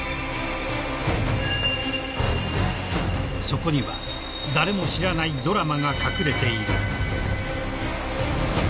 ［そこには誰も知らないドラマが隠れている］